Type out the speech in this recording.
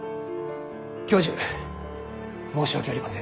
教授申し訳ありません。